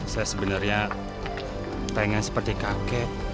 saya sebenarnya pengen seperti kakek